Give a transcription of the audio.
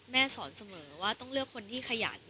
สอนเสมอว่าต้องเลือกคนที่ขยัน